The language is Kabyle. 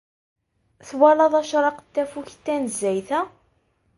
Twalaḍ acraq n tafukt tanezzayt-a?